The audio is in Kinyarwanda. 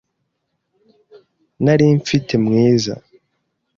Nari mfite mwiza